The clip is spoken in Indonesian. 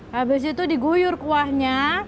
habis itu diguyur kuahnya